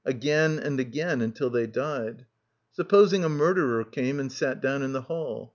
. again and again until they died. Supposing a murderer came and sat down in the hall?